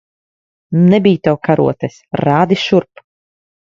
Nebij tev karotes. Rādi šurp!